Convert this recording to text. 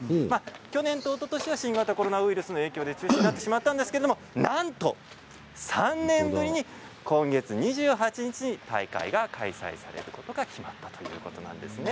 去年とおととしは新型コロナウイルスの影響でなくなってしまったんですがなんと３年ぶりに今月２８日に大会が開催されることが決まっています。